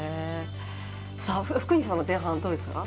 福西さん前半どうですか？